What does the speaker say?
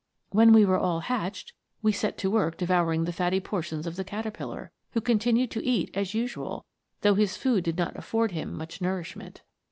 When we were all hatched, we set to work devouring the fatty por tions of the caterpillar, who continued to eat as usual, though his food did not afford him much nourishment.